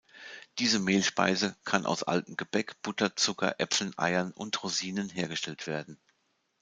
Diese Mehlspeise kann aus altem Gebäck, Butter, Zucker, Äpfeln, Eiern und Rosinen hergestellt werden.